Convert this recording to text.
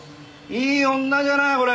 いい女じゃないこれ！